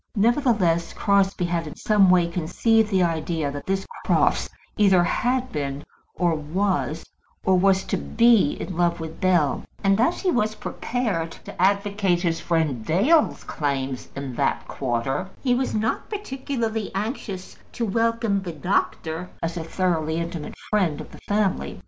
Nevertheless, Crosbie had in some way conceived the idea that this Crofts either had been, or was, or was to be, in love with Bell; and as he was prepared to advocate his friend Dale's claims in that quarter, he was not particularly anxious to welcome the doctor as a thoroughly intimate friend of the family.